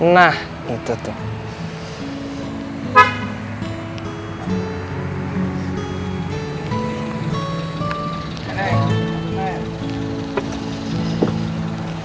nah itu tuh